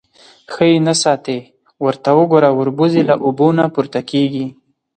_ښه يې نه ساتې. ورته وګوره، وربوز يې له اوبو نه پورته کېږي.